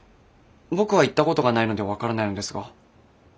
僕は行ったことがないので分からないのですが。